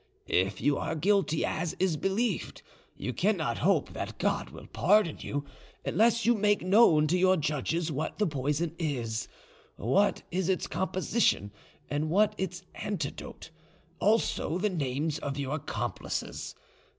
If you are guilty, as is believed, you cannot hope that God will pardon you unless you make known to your judges what the poison is, what is its composition and what its antidote, also the names of your accomplices.